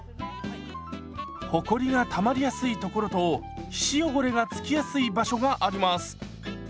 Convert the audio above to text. ほこりがたまりやすい所と皮脂汚れがつきやすい場所があります。